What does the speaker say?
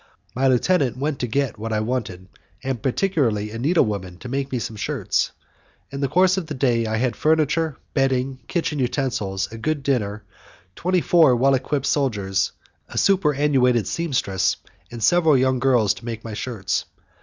My lieutenant went to get what I wanted, and particularly a needlewoman to make me some shirts. In the course of the day I had furniture, bedding, kitchen utensils, a good dinner, twenty four well equipped soldiers, a super annuated sempstress and several young girls to make my shirts.